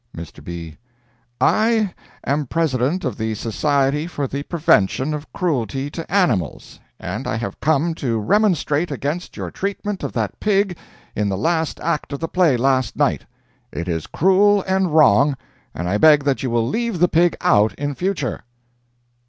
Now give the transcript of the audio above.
Mr. B.—"I am President of the Society for the Prevention of Cruelty to Animals, and I have come to remonstrate against your treatment of that pig in the last act of the play last night. It is cruel and wrong, and I beg that you will leave the pig out in future."